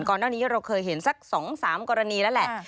ก่อนหน้านี้เราเคยเห็นสัก๒๓กรณีแล้วแหละ